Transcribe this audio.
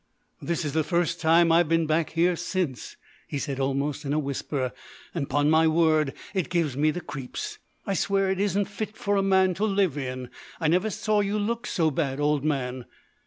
"This is the first time I've been back here since," he said almost in a whisper, "and, 'pon my word, it gives me the creeps. I swear it isn't fit for a man to live in. I never saw you look so bad, old man."